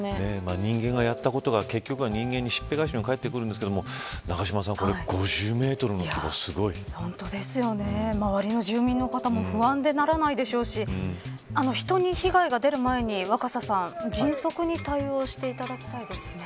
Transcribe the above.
人間がやったことが人間にしっぺ返しが返ってきますが周りの住民の方も不安でならないでしょうし人に被害が出る前に若狭さん迅速に対応していただきたいですね。